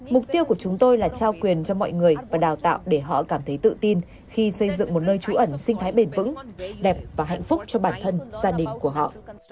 mục tiêu của chúng tôi là trao quyền cho mọi người và đào tạo để họ cảm thấy tự tin khi xây dựng một nơi trú ẩn sinh thái bền vững đẹp và hạnh phúc cho bản thân gia đình của họ